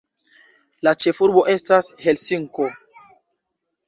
La ĉefurbo estas Helsinko.